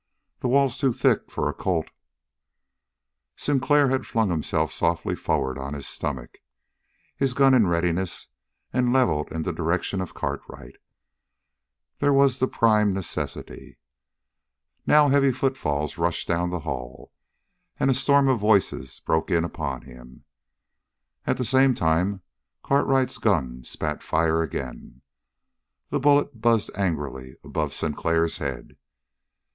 "This wall's too thick for a Colt." Sinclair had flung himself softly forward on his stomach, his gun in readiness and leveled in the direction of Cartwright. There was the prime necessity. Now heavy footfalls rushed down the hall, and a storm of voices broke in upon him. At the same time Cartwright's gun spat fire again. The bullet buzzed angrily above Sinclair's head.